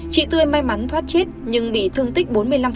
chị tươi may mắn thoát chết nhưng bị thương tích bốn mươi năm